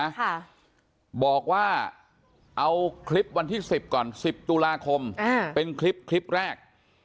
ค่ะบอกว่าเอาคลิปวันที่สิบก่อนสิบตุลาคมอ่าเป็นคลิปคลิปแรก